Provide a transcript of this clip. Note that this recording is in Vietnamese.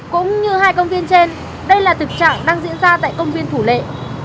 cũng như hai công viên trên đây là thực trạng đang diễn ra tại công viên thủ lệ